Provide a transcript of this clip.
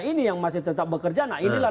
ini yang masih tetap bekerja nah inilah